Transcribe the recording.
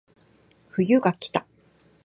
冬がきた